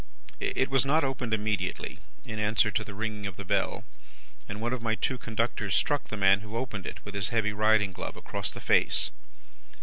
It was not opened immediately, in answer to the ringing of the bell, and one of my two conductors struck the man who opened it, with his heavy riding glove, across the face.